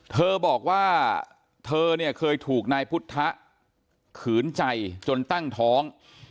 เธอบอกว่าเธอเนี่ยเคยถูกนายพุทธะขืนใจจนตั้งท้อง